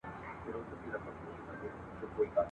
کله به بیرته کلي ته راسي !.